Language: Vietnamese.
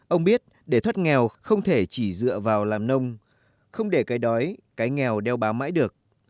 ông biết để thoát nghèo không thể chỉ dựa vào làm nông không để cái đói cái nghèo đeo bám mãi được